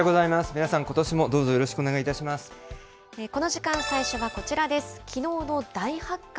皆さん、ことしもどうぞよろしくこの時間、最初はこちらです。